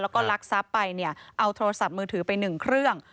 แล้วก็ลักซับไปเอาโทรศัพท์มือถือไปหนึ่งเครื่อง